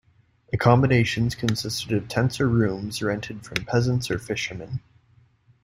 Accommodations consisted of tents or rooms rented from peasants or fishermen.